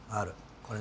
これね。